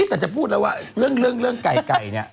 แต่จะพูดแล้วว่าเรื่องไก่เนี่ย